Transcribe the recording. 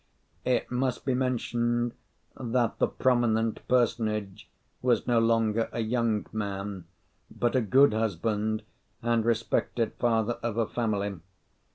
It must be mentioned that the prominent personage was no longer a young man, but a good husband and respected father of a family.